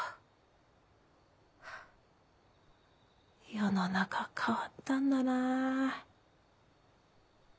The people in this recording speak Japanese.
世の中変わったんだなぁ！